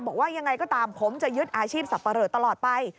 บอกว่ายังไงก็ตามผมจะยึดอาชีพสับปะเหลอตลอดไป